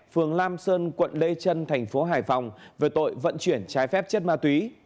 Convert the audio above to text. phường lam sơn quận lê trân thành phố hải phòng về tội vận chuyển trái phép chất ma túy